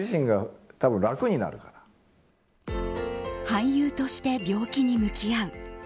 俳優として病気に向き合う。